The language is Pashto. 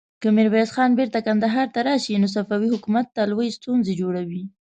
که ميرويس خان بېرته کندهار ته راشي، نو صفوي حکومت ته لويې ستونزې جوړوي.